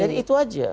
dan itu aja